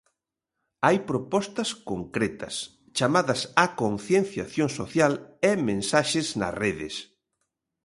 Hai propostas concretas, chamadas á concienciación social e mensaxes nas redes.